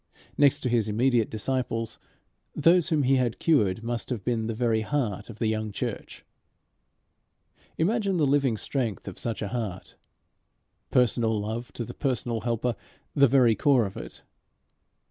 Next to his immediate disciples, those whom he had cured must have been the very heart of the young church. Imagine the living strength of such a heart personal love to the personal helper the very core of it.